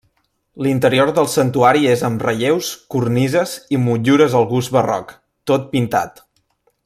L'interior del santuari és amb relleus, cornises i motllures al gust barroc, tot pintat.